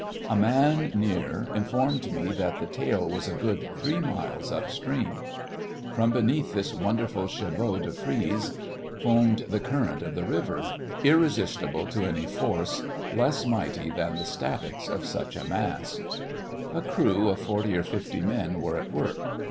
A man near informed me that the tail was a good three miles up stream. From beneath this wonderful chevaux de frise foamed the current of the river, irresistible to any force less mighty than the statics of such a mass. A crew of forty or fifty men were at work.